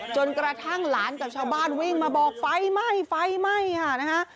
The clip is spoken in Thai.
จนกระทั่งหลานกับชาวบ้านวิ่งมาบอกไฟไหม้ไฟไหม้ค่ะนะฮะ